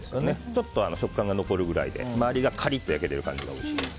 ちょっと食感が残って周りがカリッと焼けてるくらいがおいしいです。